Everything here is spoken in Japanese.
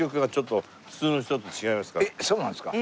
えっそうなんですか？